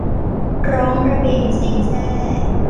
ร้องระเบ็งเซ็งแซ่